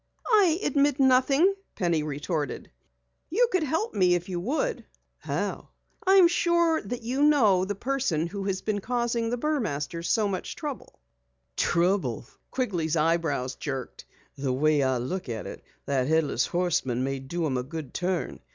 "I admit nothing," Penny retorted. "You could help me if you would!" "How?" "I'm sure you know the person who has been causing the Burmasters so much trouble." "Trouble?" Quigley's eyebrows jerked. "The way I look at it, that Headless Horseman may do 'em a good turn.